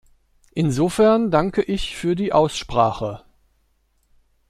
Insofern danke ich für die Aussprache.